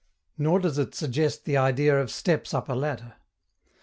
Nor does it suggest the idea of steps up a ladder.